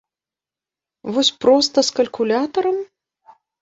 Вось проста, з калькулятарам?